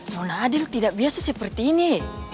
nona adel tidak biasa seperti ini